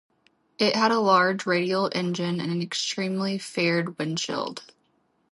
It had a large radial engine and an extremely faired windshield.